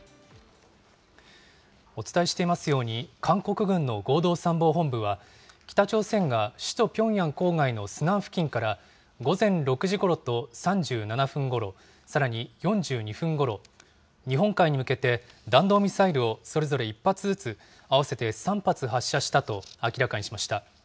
お伝えしていますように、韓国軍の合同参謀本部は、北朝鮮が首都ピョンヤン郊外のスナン付近から、午前６時ごろと３７分ごろ、さらに４２分ごろ、日本海に向けて弾道ミサイルをそれぞれ１発ずつ、合わせて３発発射したと明らかにしました。